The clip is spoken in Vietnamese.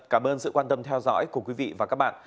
cảm ơn sự quan tâm theo dõi của quý vị và các bạn